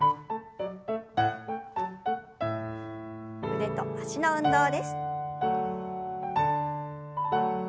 腕と脚の運動です。